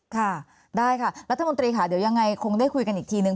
ค่ะได้ค่ะรัฐมนตรีค่ะเดี๋ยวยังไงคงได้คุยกันอีกทีนึง